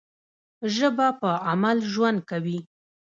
ژبه په عمل ژوند کوي.